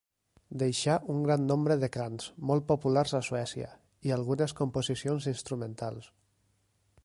Deixà un gran nombre de cants, molt populars a Suècia, i algunes composicions instrumentals.